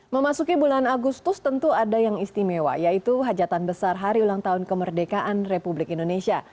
memasuki bulan agustus tentu ada yang istimewa yaitu hajatan besar hari ulang tahun kemerdekaan republik indonesia